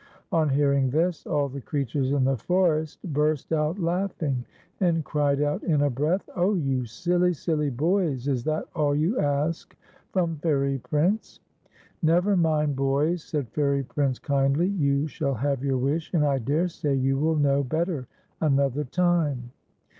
On hearing this, all the creatures in the forest burst out laughing, and cried out in a breath: "Oh, you silly, silly boys, is that all you ask from Fairy Prince.?" "Never mind, boys," said Fairy Prince kindly, "you shall have your wish, and I dare say you will know better another time."